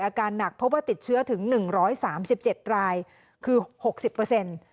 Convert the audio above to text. อาการหนักเพราะว่าติดเชื้อถึงหนึ่งร้อยสามสิบเจ็ดรายคือหกสิบเปอร์เซ็นต์